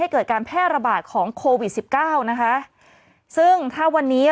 เกิดการแพร่ระบาดของโควิดสิบเก้านะคะซึ่งถ้าวันนี้